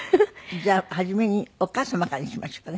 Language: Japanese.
じゃあ初めにお母様からにしましょうかね。